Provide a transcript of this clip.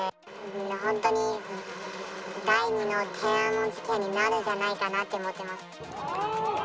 本当に第二の天安門事件になるんじゃないかなと思ってます。